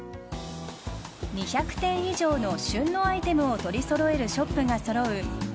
２００点以上の旬のアイテムを取り揃えるショップが揃う